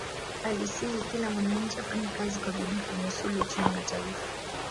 alisihi kila mwananchi afanye kazi kwa bidii kunusulu uchumi wa taifa